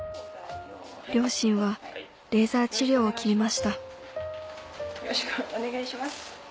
両親はレーザー治療を決めましたよろしくお願いします。